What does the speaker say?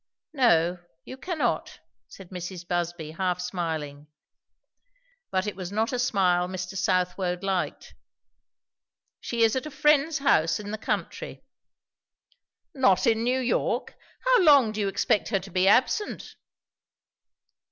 "No, you cannot," said Mrs. Busby half smiling, but it was not a smile Mr. Southwode liked. "She is at a friend's house in the country." "Not in New York! How long do you expect her to be absent?"